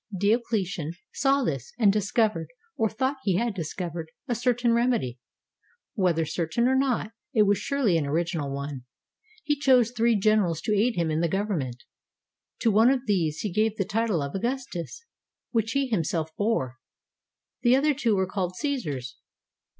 Diocletian saw this, and discovered, or thought he had discovered, a certain remedy. Whether certain or not, it was surely an original one. He chose three generals to aid him in the government. To one of these he gave the title of Augustus, which he himself bore. The other two were called Csesars.